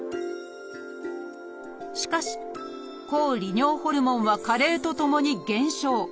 しかし抗利尿ホルモンは加齢とともに減少。